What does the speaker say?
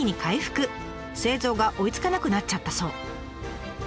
製造が追いつかなくなっちゃったそう。